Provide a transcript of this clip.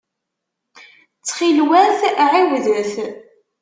Ttxil-wet ɛiwdet.